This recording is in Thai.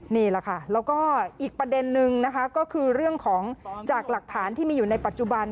นี่แหละค่ะแล้วก็อีกประเด็นนึงนะคะก็คือเรื่องของจากหลักฐานที่มีอยู่ในปัจจุบัน